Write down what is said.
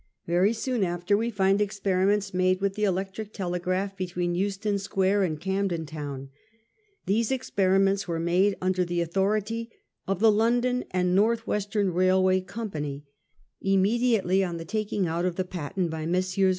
Very soon after we find experiments made with the electric telegraph between Euston Square and Camden Town. These experiments were made under the authority of the London and North Western Kailway Company, immediately on ' the taking out of the patent by Messrs.